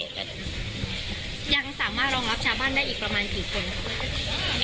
ยังสามารถรองรับชาวบ้านได้อีกประมาณกี่คนครับ